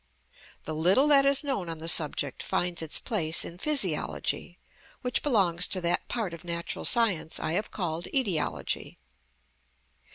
The little that is known on the subject finds its place in physiology, which belongs to that part of natural science I have called etiology.